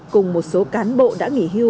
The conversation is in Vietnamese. cùng một số cán bộ đã nghỉ hưu